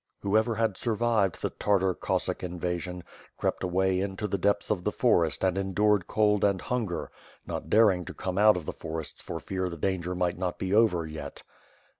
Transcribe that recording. Whoever had survived the Tartar Cossack invasion, crept away into the depths o' the forest and endured cold and hunger, not daring to come out of the forests for fear the danger might not be over yet.